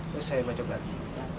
terus saya bacok lagi